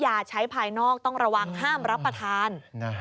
ยาใช้ภายนอกต้องระวังห้ามรับประทาน